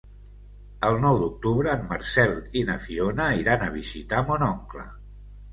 El nou d'octubre en Marcel i na Fiona iran a visitar mon oncle.